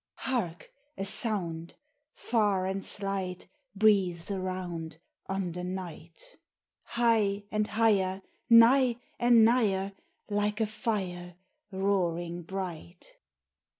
Hark ! a sound, Far and slight, Breathes around On the night: High and higher, Nigh and nigher, Like a fire Roaring bright.